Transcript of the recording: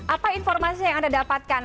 apa informasi yang anda dapatkan